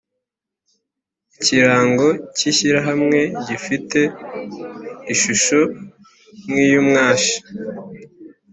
Ikirango cy’ ishyirahamwe gifite ishusho nkiy’umwashi